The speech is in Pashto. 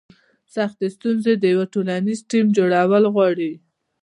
سختې ستونزې د یو ټولنیز ټیم جوړول غواړي.